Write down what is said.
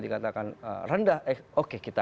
dikatakan rendah eh oke kita